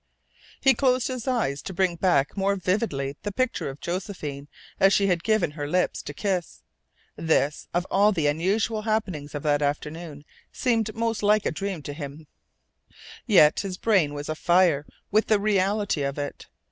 He closed his eyes to bring back more vividly the picture of Josephine as she had given him her lips to kiss. This, of all the unusual happenings of that afternoon, seemed most like a dream to him, yet his brain was afire with the reality of it.